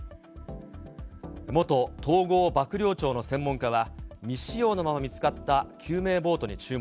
元統合幕僚長の専門家は、未使用のまま見つかった救命ボートに注目。